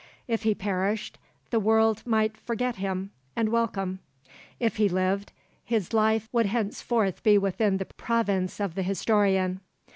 If he perished, the world might forget him, and welcome; if he lived, his life would henceforth be within the province of the historian.